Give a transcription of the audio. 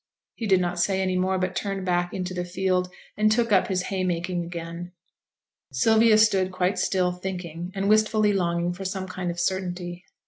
He did not say any more, but turned back into the field, and took up his hay making again. Sylvia stood quite still, thinking, and wistfully longing for some kind of certainty.